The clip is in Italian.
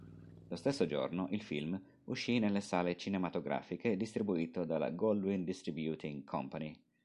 Lo stesso giorno, il film uscì nelle sale cinematografiche distribuito dalla Goldwyn Distributing Company.